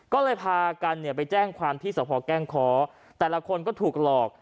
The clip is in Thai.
ก็เลยพากันเนี่ยไปแจ้งความที่สภแก้งคอแต่ละคนก็ถูกหลอก